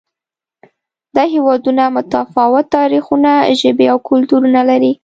دا هېوادونه متفاوت تاریخونه، ژبې او کلتورونه لري.